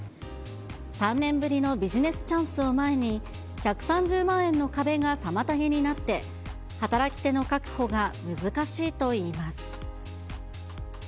３年ぶりのビジネスチャンスを前に、１３０万円の壁が妨げになって、働き手の確保が難しいといいます。